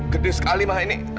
terus sekali ma ini